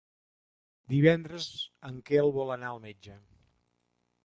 Divendres en Quel vol anar al metge.